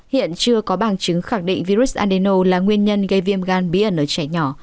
hiện chưa có bằng chứng khẳng định virus andeno là nguyên nhân gây viêm gan bí ẩn ở trẻ nhỏ